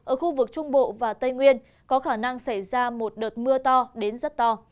ở khu vực trung bộ và tây nguyên có khả năng xảy ra một đợt mưa to đến rất to